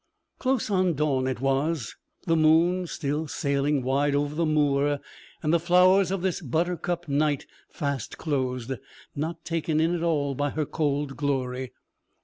Close on dawn it was, the moon still sailing wide over the moor, and the flowers of this 'buttercup night' fast closed, not taken in at all by her cold glory!